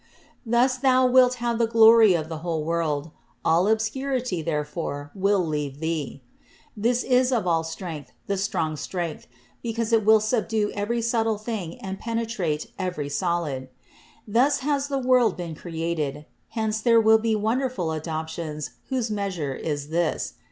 "Thus thou wilt have the glory of the whole world. All obscurity, therefore, will leave thee. "This is of all strength the strong strength, because THE EARLY ALCHEMISTS 25 it will subdue every subtile thing and penetrate every solid. "Thus has the world been created. Hence there will be wonderful adoptions whose measure is this.